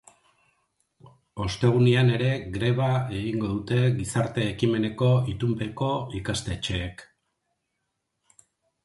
Ostegunean ere greba egingo dute gizarte ekimeneko itunpeko ikastetxeek.